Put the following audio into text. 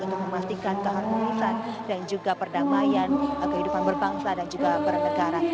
untuk memastikan keharmonisan dan juga perdamaian kehidupan berbangsa dan juga bernegara